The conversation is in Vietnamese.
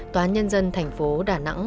tòa án nhân dân thành phố đà nẵng